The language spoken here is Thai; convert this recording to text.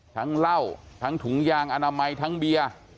เหล้าทั้งถุงยางอนามัยทั้งเบียร์